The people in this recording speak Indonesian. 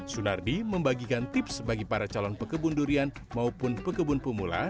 sunardi membagikan tips bagi para calon pekebun durian maupun pekebun pemula